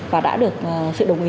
và đã được sự đồng ý